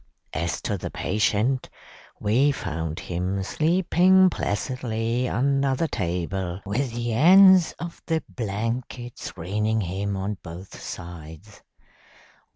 As to the patient, we found him sleeping placidly under the table, with the ends of the blanket screening him on both sides.